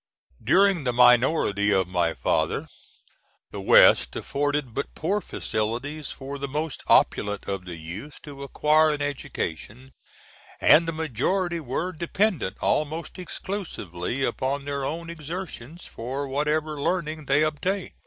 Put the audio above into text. During the minority of my father, the West afforded but poor facilities for the most opulent of the youth to acquire an education, and the majority were dependent, almost exclusively, upon their own exertions for whatever learning they obtained.